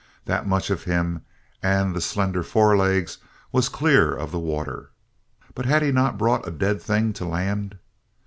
That much of him, and the slender forelegs, was clear of the water. But had he not brought a dead thing to land?